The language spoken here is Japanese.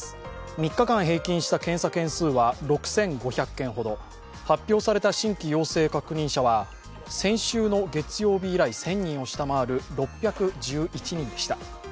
３日間平均した検査件数は６５００件ほど、発表された新規陽性確認者は先週の月曜日以来１０００人を下回る６１１人でした。